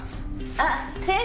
あっ先生。